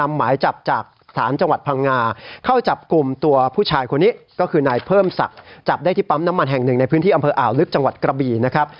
หมายจับจากศาลจังหวัดพังงาเข้าจับกลุ่มตัวผู้ชายคนนี้ก็คือนายเพิ่มศักดิ์จับได้ที่ปั๊มน้ำมันแห่งหนึ่งในพื้นที่อำเภออ่าวลึกจังหวัดกระบี่นะครับ